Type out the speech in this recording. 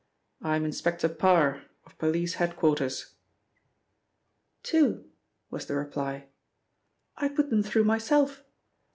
"I am Inspector Parr, of police head quarters." "Two," was the reply. "I put them through myself.